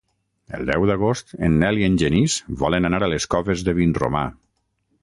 El deu d'agost en Nel i en Genís volen anar a les Coves de Vinromà.